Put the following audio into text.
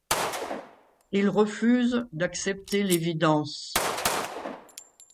Il refuse d'accepter l'évidence.